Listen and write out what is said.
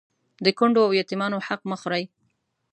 د کونډو او يتيمانو حق مه خورئ